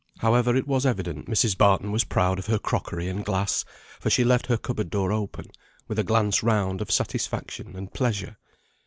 However, it was evident Mrs. Barton was proud of her crockery and glass, for she left her cupboard door open, with a glance round of satisfaction and pleasure.